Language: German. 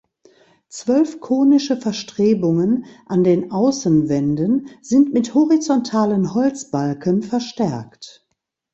Zwölf konische Verstrebungen an den Außenwänden sind mit horizontalen Holzbalken verstärkt.